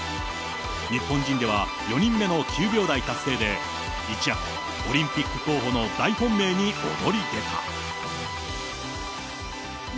日本人では４人目の９秒台達成で、一躍、オリンピック候補の大本命に躍り出た。